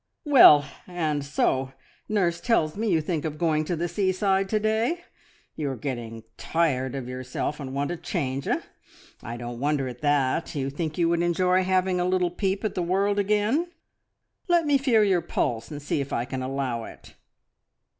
"Well, and so nurse tells me you think of going to the seaside to day! You are getting tired of yourself, and want a change eh? I don't wonder at that. You think you would enjoy having a little peep at the world again? Let me feel your pulse and see if I can allow it."